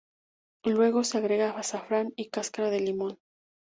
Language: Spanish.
Luego se agrega azafrán y cáscara de limón.